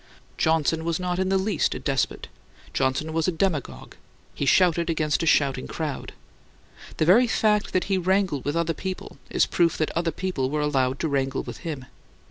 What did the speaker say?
Johnson was not in the least a despot; Johnson was a demagogue, he shouted against a shouting crowd. The very fact that he wrangled with other people is proof that other people were allowed to wrangle with him.